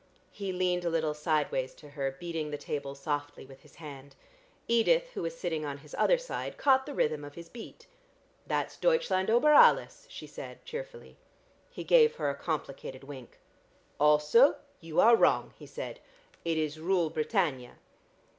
He leaned a little sideways to her, beating the table softly with his hand. Edith, who was sitting on his other side, caught the rhythm of his beat. "That's 'Deutschland über alles,'" she said, cheerfully. He gave her a complicated wink. "Also, you are wrong," he said. "It is 'Rule Britannia.'"